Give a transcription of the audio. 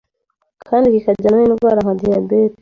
kandi kikajyana n’indwara nka diyabete